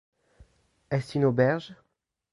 Est-ce une auberge ?